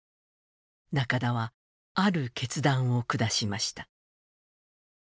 中田は、ある決断を下しました。